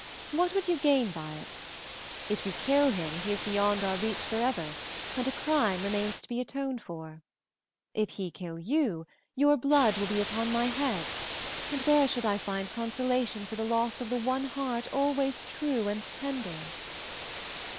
What would you gain by it? If you kill him he is beyond our reach forever, and a crime remains to be atoned for. If he kill you your blood will be upon my head, and where should I find consolation for the loss of the one heart always true and tender?"